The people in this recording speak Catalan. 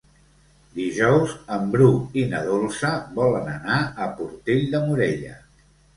Dijous en Bru i na Dolça volen anar a Portell de Morella.